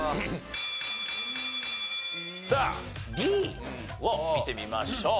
さあＤを見てみましょう。